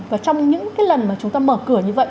và trong những cái lần mà chúng ta mở cửa như vậy